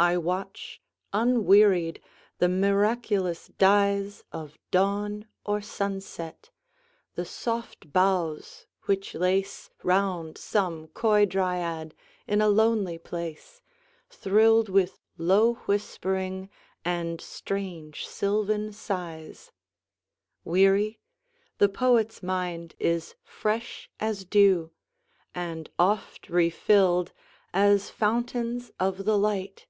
I watch, unwearied, the miraculous dyesOf dawn or sunset; the soft boughs which laceRound some coy dryad in a lonely place, Thrilled with low whispering and strange sylvan sighs:Weary? The poet's mind is fresh as dew, And oft refilled as fountains of the light.